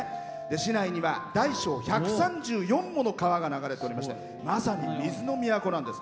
市内には、大小１３４もの川が流れておりましてまさに水の都なんです。